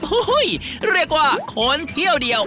โอ้โหเรียกว่าคนเที่ยวเดียว